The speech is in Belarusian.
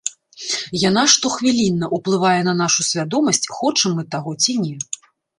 Яна штохвілінна ўплывае на нашую свядомасць, хочам мы таго ці не.